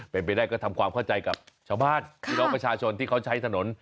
เป็นไปได้ก็ทำความเข้าใจกับชาวบ้านพี่น้องประชาชนที่เขาใช้ถนน